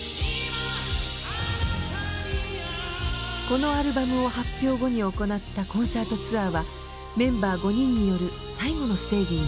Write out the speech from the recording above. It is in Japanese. このアルバムを発表後に行ったコンサートツアーはメンバー５人による最後のステージになりました。